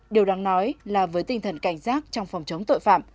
điều đáng nói là với tinh thần cảnh giác trong phòng chống tội phạm